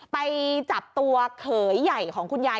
ไปจับตัวเขยใหญ่ของคุณยาย